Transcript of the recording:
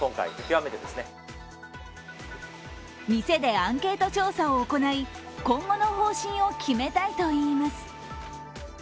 店でアンケート調査を行い今後の方針を決めたいといいます。